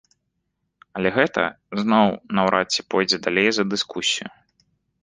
Але гэта зноў наўрад ці пойдзе далей за дыскусію.